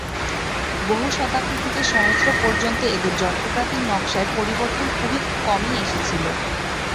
বহু শতাব্দী থেকে সহস্রাব্দ পর্যন্ত এদের যন্ত্রপাতির নকশায় পরিবর্তন খুব কমই এসেছিল।